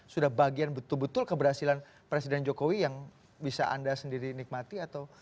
sudah bagian betul betul keberhasilan presiden jokowi yang bisa anda sendiri nikmati atau